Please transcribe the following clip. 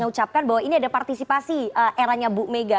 mengucapkan bahwa ini ada partisipasi eranya bu mega